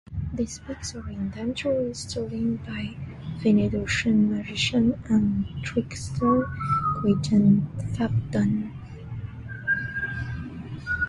These pigs are eventually stolen by Venedotian magician and trickster, Gwydion fab Don.